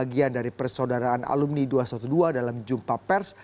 bagian dari persaudaraan alumni dua ratus dua belas dalam jumpa pers